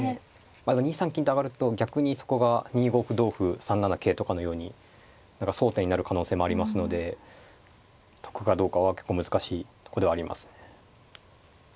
まあでも２三金と上がると逆にそこが２五歩同歩３七桂とかのように何か争点になる可能性もありますので得かどうかは結構難しいとこではありますね。